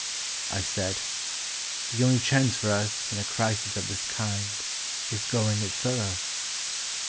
I said: "The only chance for us in a crisis of this kind Is going it thorough!"